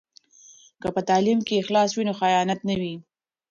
که په تعلیم کې اخلاص وي نو خیانت نه وي.